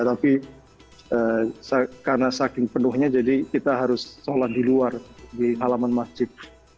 tapi karena saking penuhnya jadi kita harus sholat di luar di halaman masjid